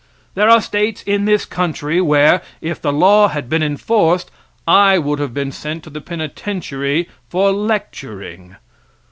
There are states in this country where, if the law had been enforced, I would have been sent to the penitentiary for lecturing.